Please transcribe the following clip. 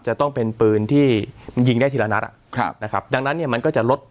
จะต้องเป็นปืนที่มันยิงได้ทีละนัดอ่ะครับนะครับดังนั้นเนี่ยมันก็จะลด